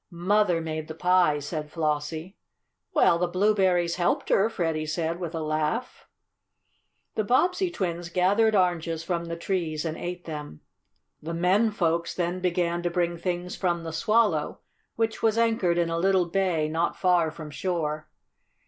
"Mother made the pies," said Flossie. "Well, the blueberries helped her," Freddie said, with a laugh. The Bobbsey twins gathered oranges from the trees and ate them. The men folks then began to bring things from the Swallow, which was anchored in a little bay, not far from shore.